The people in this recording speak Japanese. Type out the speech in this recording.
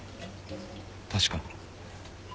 確かに。